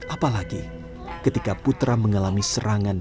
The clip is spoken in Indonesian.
apalagi ketika putra mengalami serangan